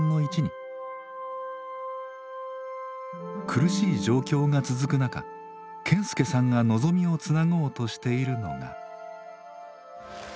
苦しい状況が続く中賢輔さんが望みをつなごうとしているのが。